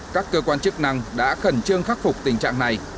các cơ quan chức năng đã khẩn trương khắc phục tình trạng này